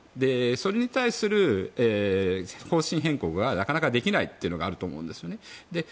それに対する方針変更がなかなかできないっていうのがあると思うんですね。